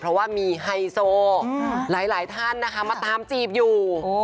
เพราะว่ามีไฮโซหลายท่านนะคะมาตามจีบอยู่